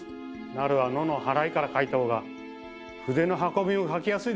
「成」は「ノ」の払いから書いた方が筆の運びも書きやすいでしょ！